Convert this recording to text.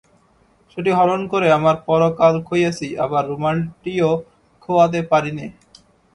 সেটি হরণ করে আমার পরকাল খুইয়েছি, আবার রুমালটিও খোওয়াতে পারি নে।